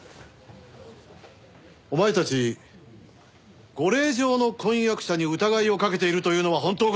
お前たちご令嬢の婚約者に疑いをかけているというのは本当か？